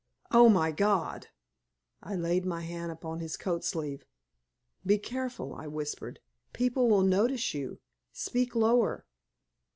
Oh, my God!" I laid my hand upon his coat sleeve. "Be careful," I whispered. "People will notice you; speak lower."